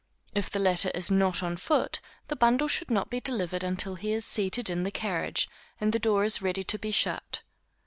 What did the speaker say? If the latter is not on foot, the bundle should not be delivered until he is seated in the carriage, and the door is ready to be shut.